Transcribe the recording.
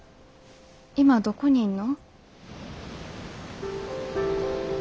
今どこにいんの？